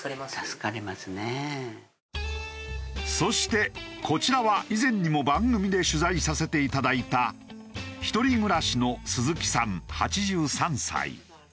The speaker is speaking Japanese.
そしてこちらは以前にも番組で取材させていただいた一人暮らしの鈴木さん８３歳。